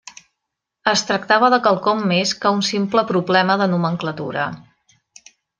Es tractava de quelcom més que un simple problema de nomenclatura.